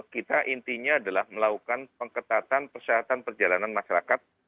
kita intinya adalah melakukan pengetatan persyaratan perjalanan masyarakat